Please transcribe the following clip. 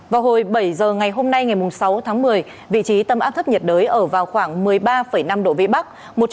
vào hồi bảy giờ ngày hôm nay ngày sáu tháng một mươi vị trí tâm áp thấp nhiệt đới ở vào khoảng một mươi ba năm độ vĩ bắc